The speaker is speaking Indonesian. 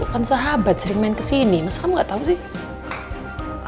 kan sahabat sering main kesini mas kamu nggak tahu sih